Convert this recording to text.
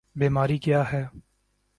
بیماری کیا ہے؟